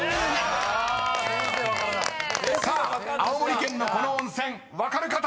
［さあ青森県のこの温泉分かる方。